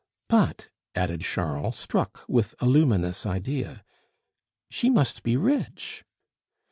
But," added Charles, struck with a luminous idea, "she must be rich?"